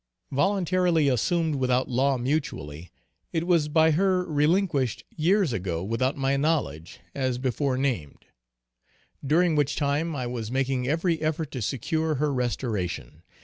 Voluntarily assumed without law mutually, it was by her relinquished years ago without my knowledge, as before named; during which time I was making every effort to secure her restoration.